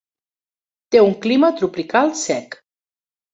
Té un clima tropical sec.